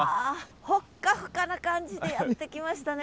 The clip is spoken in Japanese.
ほっかほかな感じでやって来ましたね